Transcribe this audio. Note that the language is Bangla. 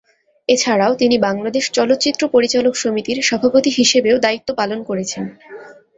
এছাড়াও তিনি বাংলাদেশ চলচ্চিত্র পরিচালক সমিতির সভাপতি হিসেবেও দায়িত্ব পালন করেছেন।